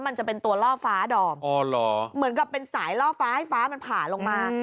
มันจะเป็นตัวล่อฟ้าดอมเหมือนกับเป็นสายล่อฟ้าให้ฟ้ามันผ่าลงมา